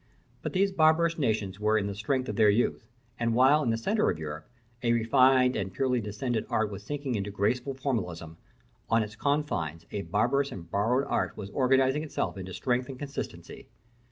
But these barbarous nations were in the strength of their youth; and while, in the centre of Europe, a refined and purely descended art was sinking into graceful formalism, on its confines a barbarous and borrowed art was organising itself into strength and consistency.